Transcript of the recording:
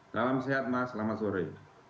salam sehat mas selamat sore